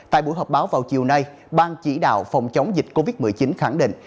tại buổi họp báo vào chiều nay ban chỉ đạo phòng chống dịch covid một mươi chín khẳng định